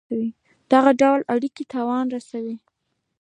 دغه ډول اړېکي تاوان رسوي.